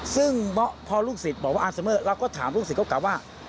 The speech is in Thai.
ซึ่งพอลูกศิษย์บอกว่าอาร์เมอร์เราก็ถามลูกศิษย์เขากลับว่า